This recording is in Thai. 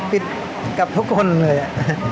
ผิดกับทุกคนเลยอ่ะ